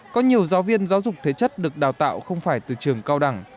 có nhiều giáo viên giáo dục thế chất được đào tạo không phải từ trường cao đẳng